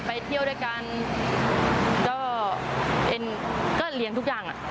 ไปเที่ยวด้วยกันก็เลี้ยงทุกอย่าง